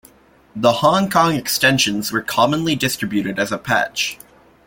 The Hong Kong extensions were commonly distributed as a patch.